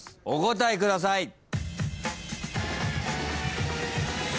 お答えください。